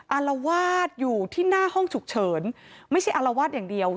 อารวาสอยู่ที่หน้าห้องฉุกเฉินไม่ใช่อารวาสอย่างเดียว